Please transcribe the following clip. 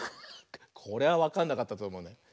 これはわかんなかったとおもうな。